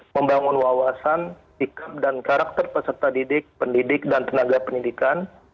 membangun wawasan sikap dan karakter peserta didik pendidik dan tenaga pendidikan